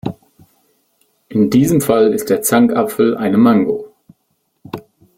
In diesem Fall ist der Zankapfel eine Mango.